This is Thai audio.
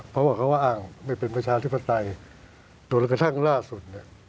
เพราะว่าก็ว่าเป็นประชาธิภัตตรายิตโดนกระทั่งล่าสุด